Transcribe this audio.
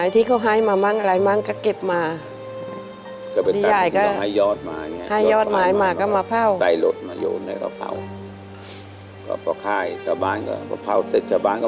ไอที่เขาให้มามากก็เก็บมา